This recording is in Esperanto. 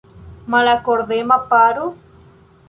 Malakordema paro?